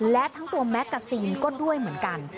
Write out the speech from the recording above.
และทั้งตัวแมกกาซีนก็ด้วยเหมือนกัน